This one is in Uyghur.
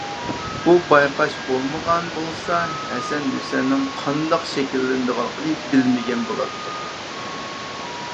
بۇ بايقاش بولمىغان بولسا، ھەسەن - ھۈسەننىڭ قانداق شەكىللىنىدىغانلىقىنى بىلمىگەن بولاتتۇق.